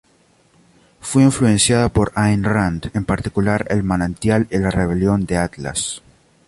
Fue influenciada por Ayn Rand, en particular "El Manantial" y "La Rebelión de Atlas".